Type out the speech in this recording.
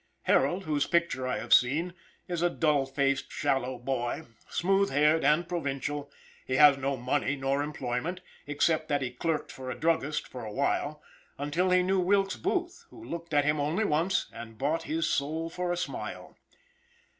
Harold, whose picture I have seen, is a dull faced, shallow boy, smooth haired, and provincial; he had no money nor employment, except that he clerked for a druggist a while, until he knew Wilkes Booth, who looked at him only once, and bought his soul for a smile.